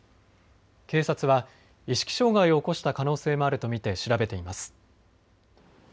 警察は意識障害を起こした可能性もあると見て調べています。